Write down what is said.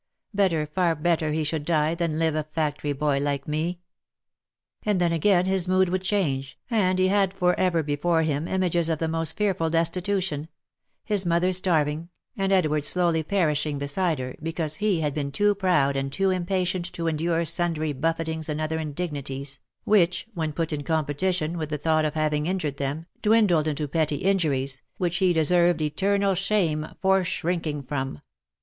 Better, far better he should die, than live a factory boy like me !" And then again his mood would change, and he had for ever before him images of the most fearful destitution — his mother starving, and Edward slowly perishing beside her, because he had been too proud and too impatient to endure sundry buffetings and other indignities, which, when put in competition with the thought of having injured them, dwindled into petty injuries, which he deserved eternal shame for shrinking from.